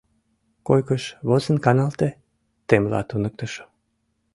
— Койкыш возын каналте, — темла туныктышо.